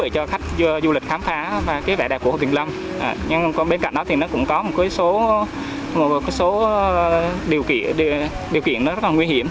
có số điều kiện rất nguy hiểm